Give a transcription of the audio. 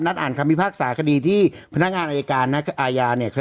อ่านคำพิพากษาคดีที่พนักงานอายการนักอาญาเนี่ย